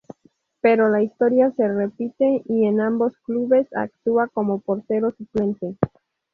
Pero la historia se repite y en ambos clubes actúa como portero suplente.